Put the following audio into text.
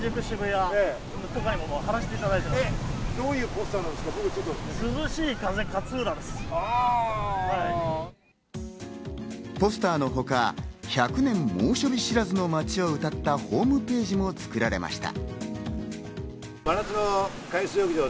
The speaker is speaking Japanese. ポスターのほか、１００年猛暑日知らずの街をうたったホームページも作られました。